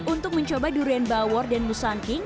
untuk mencoba durian bawor dan nusanking